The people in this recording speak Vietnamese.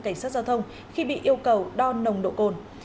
cảnh sát giao thông khi bị yêu cầu đo nồng độ cồn